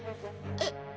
えっ？